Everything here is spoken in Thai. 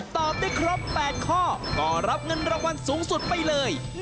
ตอบได้ครบ๘ข้อก็รับเงินรางวัลสูงสุดไปเลย